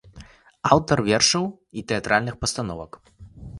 Аўтар вершаў і тэатральных пастановак.